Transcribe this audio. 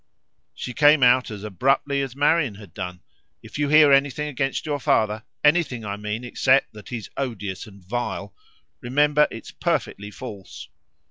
She came out as abruptly as Marian had done: 'If you hear anything against your father anything I mean except that he's odious and vile remember it's perfectly false.'